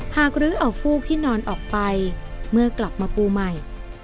กรื้อเอาฟูกที่นอนออกไปเมื่อกลับมาปูใหม่